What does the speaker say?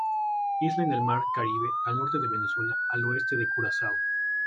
Isla en el Mar Caribe, al norte de Venezuela, al oeste de Curazao.